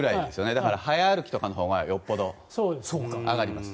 だから早歩きとかのほうがよほど上がります。